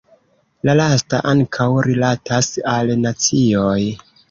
La lasta ankaŭ rilatas al nacioj.